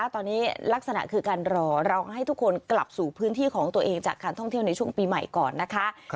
ตอนนี้ลักษณะคือการรอเราให้ทุกคนกลับสู่พื้นที่ของตัวเองจากการท่องเที่ยวในช่วงปีใหม่ก่อนนะคะ